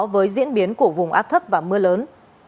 với diễn biến của vùng áp thấp và mưa lớn